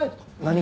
何？